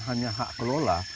hanya hak kelola